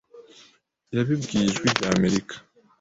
yabibwiye Ijwi rya Amerika